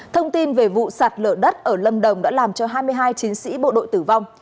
thông tin về vụ sạt lở đất ở lâm đồng đã làm cho hai mươi hai chiến sĩ bộ đội tử vong